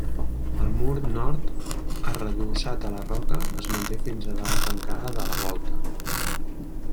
El mur nord, arredossat a la roca, es manté fins a l'arrancada de la volta.